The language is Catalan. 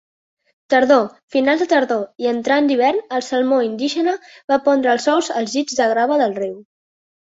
Tardor, finals de tardor i entrat l'hivern, el salmó indígena va pondre els ous als llits de grava del riu.